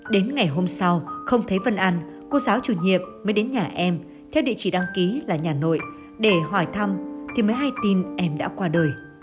đến ngày hôm sau không thấy vân ăn cô giáo chủ nhiệm mới đến nhà em theo địa chỉ đăng ký là nhà nội để hỏi thăm thì mới hay tin em đã qua đời